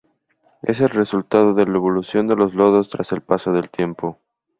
Es el resultado de la evolución de los lodos tras el paso del tiempo.